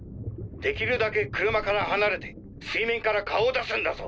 出来るだけ車から離れて水面から顔を出すんだぞ！